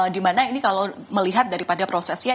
dimana ini kalau melihat daripada prosesnya